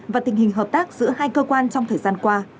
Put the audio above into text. và tình hình hợp tác giữa hai cơ quan trong thời gian qua